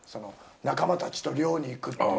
仲間たちと漁に行くという。